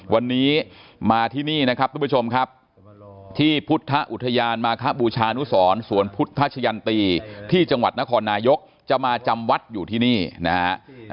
วันนี้มาที่นี่นะครับทุกผู้ชมครับที่พุทธอุทยานมาคบูชานุสรสวนพุทธชะยันตีที่จังหวัดนครนายกจะมาจำวัดอยู่ที่นี่นะฮะ